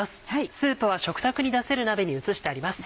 スープは食卓に出せる鍋に移してあります。